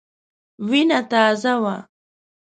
وینه تازه وه.